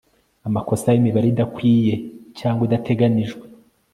amakosa y imibare idakwiye cyangwa idateganijwe